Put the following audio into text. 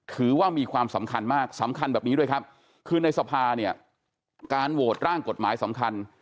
ถือว่ามีความสำคัญมากสำคัญแบบนี้ด้วยครับคือในสภาเนี่ยการโหวตร่างกฎหมายสำคัญ